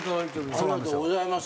ありがとうございます。